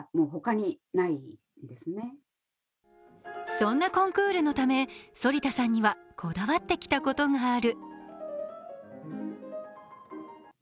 そんなコンクールのため、反田さんにはこだわってきたことがある。